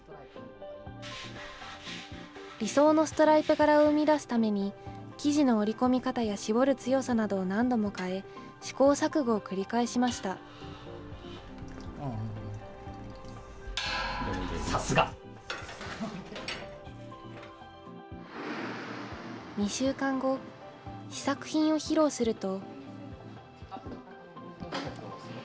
理想のストライプ柄を生み出すために、生地の織りこみ方や絞る強さなどを何度も変え、試行錯誤を繰り返２週間後、試作品を披露すると。